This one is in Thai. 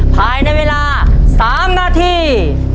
ภายในเวลา๓นาที